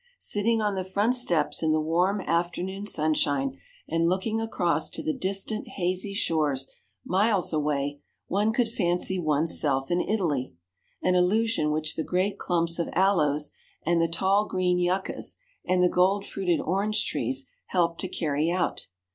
Sitting on the front steps in the warm afternoon sunshine, and looking across to the distant, hazy shores, miles away, one could fancy one's self in Italy, an illusion which the great clumps of aloes, and the tall green yuccas, and the gold fruited orange trees, help to carry out.